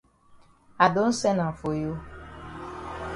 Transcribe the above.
I don sen am for you.